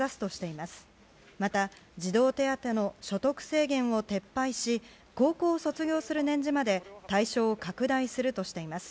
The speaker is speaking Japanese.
また児童手当の所得制限を撤廃し高校を卒業する年次まで対象を拡大するとしています。